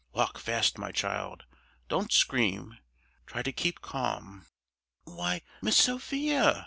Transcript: Walk fast, my child! Don't scream! Try to keep calm!" "Why, Miss Sophia!"